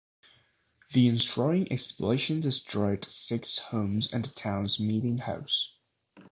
The ensuing explosion destroyed six homes and the town's meeting house.